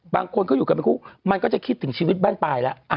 บางคนเขาอยู่กันเป็นคู่มันก็จะคิดถึงชีวิตบ้านปลายแล้ว